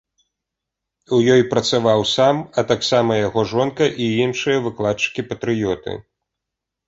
У ёй працаваў сам, а таксама яго жонка і іншыя выкладчыкі-патрыёты.